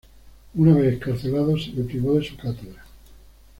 Una vez excarcelado se le privó de su cátedra.